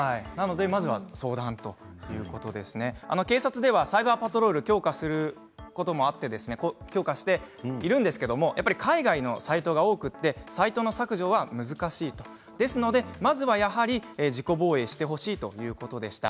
まずは相談ということで警察ではサイバーパトロールを強化することもあってやっているんですけれど海外のサイトが多くてサイトの削除は難しいとですので、まずはやはり自己防衛してほしいということでした。